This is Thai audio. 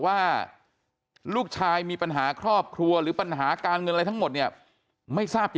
ว่าลูกชายมีปัญหาครอบครัวหรือปัญหาการเงินอะไรทั้งหมดเนี่ยไม่ทราบจริง